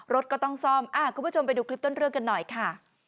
รถก็ต้องซ่อมคุณผู้ชมไปดูคลิปต้นเรื่องกันหน่อยค่ะ